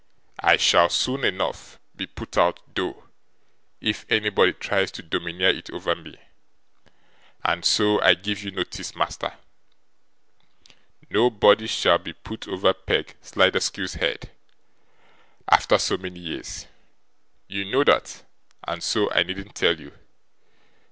'I shall, soon enough, be put out, though, if anybody tries to domineer it over me: and so I give you notice, master. Nobody shall be put over Peg Sliderskew's head, after so many years; you know that, and so I needn't tell you!